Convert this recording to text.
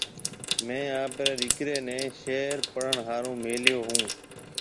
ميه آپرَي ڏِيڪريَ نَي شهر پڙهڻ هارون ميليو هون۔